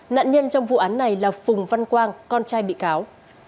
nạn nhân trong vụ án này là phùng văn quang con trai bị cáo